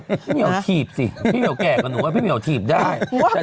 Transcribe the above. พี่เหมียวถีบสิพี่เหี่ยวแก่กว่าหนูว่าพี่เหมียวถีบได้